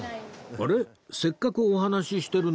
あれ？